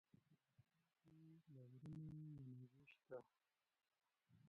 په افغانستان کې د غرونه منابع شته.